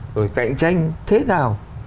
rồi cạnh tranh thế nào